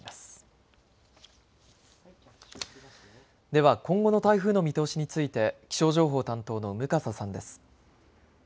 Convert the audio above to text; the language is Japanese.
では今後の台風の見通しについて気象情報担当の向笠さんです。